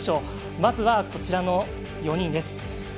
まずはこちらの４人。